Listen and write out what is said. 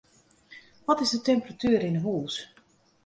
Wat is de temperatuer yn 'e hûs?